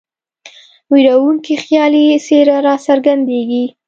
ویرونکې خیالي څېره را څرګندیږي.